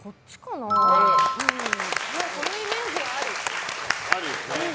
そのイメージはある。